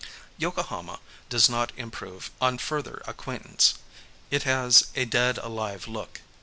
Yokohama does not improve on further acquaintance. It has a dead alive look.